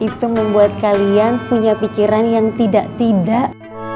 itu membuat kalian punya pikiran yang tidak tidak